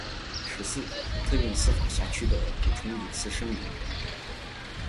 十四、特定司法辖区的补充隐私声明